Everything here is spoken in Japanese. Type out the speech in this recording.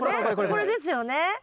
これですよね？